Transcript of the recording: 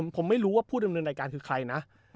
ผมไม่รู้ว่าผู้ดำเนินรายการคือใครนะ